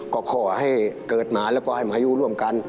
ก็ขอให้เกิดมาแล้วก็ให้มาอยู่ร่วมกัน